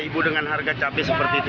rp lima belas dengan harga cabai seperti itu